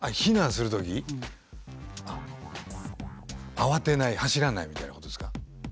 慌てない走らないみたいなことですか？